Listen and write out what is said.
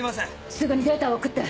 すぐにデータを送って！